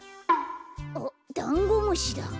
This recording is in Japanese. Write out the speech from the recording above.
おっダンゴムシだ。